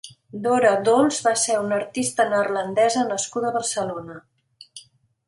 Dora Dolz va ser una artista neerlandesa nascuda a Barcelona.